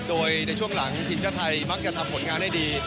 โดยในช่วงหลังทีมชาติไทยมักจะทำผลงานได้ดี